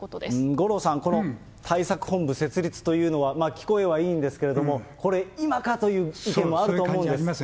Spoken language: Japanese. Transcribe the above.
五郎さん、この対策本部成立というのは、聞こえはいいんですけれども、これ、今かという意見もあると思うんです。